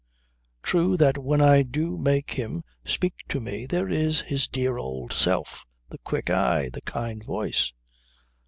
True that when I do make him speak to me, there is his dear old self, the quick eye, the kind voice.